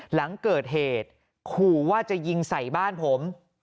หลังเกิดเหตุขู่ว่าจะยิงใส่บ้านผม